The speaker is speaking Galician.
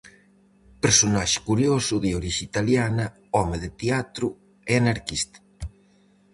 Personaxe curioso, de orixe italiana, home de teatro e anarquista.